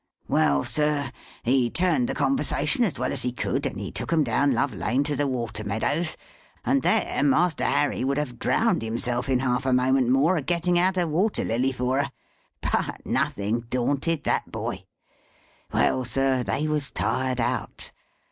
Well, sir, he turned the conversation as well as he could, and he took 'em down Love Lane to the water meadows, and there Master Harry would have drowned himself in half a moment more, a getting out a water lily for her, but nothing daunted that boy. Well, sir, they was tired out.